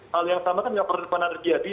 hal yang sama kan nggak perlu penargi hati